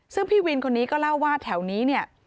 ซึ่งพี่วินคนนี้ก็เล่าว่าแถวนี้เนี่ย